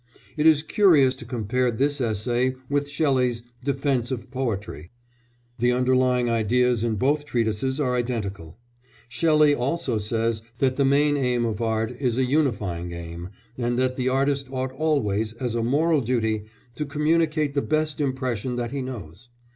It is curious to compare this essay with Shelley's Defence of Poetry; the underlying ideas in both treatises are identical; Shelley also says that the main aim of art is a unifying aim, and that the artist ought always, as a moral duty, to communicate the best impression that he knows.